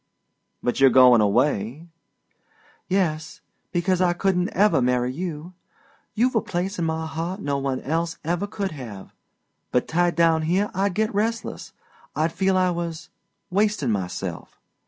"But you're goin' away?" "Yes because I couldn't ever marry you. You've a place in my heart no one else ever could have, but tied down here I'd get restless. I'd feel I was wastin' myself.